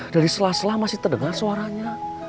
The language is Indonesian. dari sela sela masih terdengar suaranya